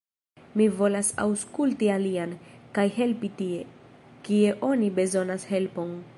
Mi volas aŭskulti aliajn, kaj helpi tie, kie oni bezonas helpon.